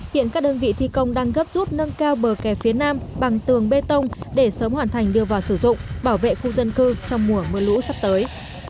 hiện các đơn vị thi công đang gấp rút nâng cao bờ kè phía nam bằng tường bê tông để sớm hoàn thành đưa vào sử dụng bảo vệ khu dân cư trong mùa mưa lũ sắp tới